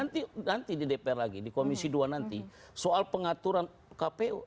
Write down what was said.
nanti di dpr lagi di komisi dua nanti soal pengaturan kpu